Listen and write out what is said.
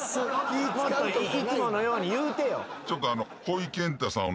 もっといつものように言うてよ。